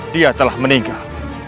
dia telah meninggal